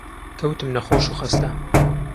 کەوتم نەخۆش و خەستە